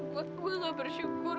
gue gak bersyukur